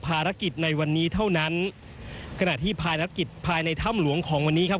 ภารกิจในวันนี้เท่านั้นขณะที่ภารกิจภายในถ้ำหลวงของวันนี้ครับ